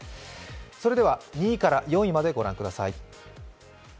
それでは、２位から４位までご覧ください。